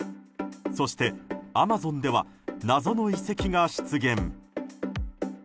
そしてアマゾンでは謎の遺跡が出現。